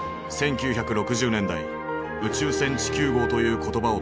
１９６０年代「宇宙船地球号」という言葉を唱え